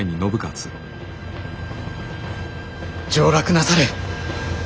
上洛なされ。